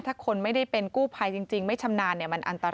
ถ้าคนไม่ได้เป็นกู้ภัยจริงไม่ชำนาญมันอันตราย